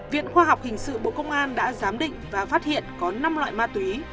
viện khoa học hình sự bộ công an đã giám định và phát hiện có năm loại ma túy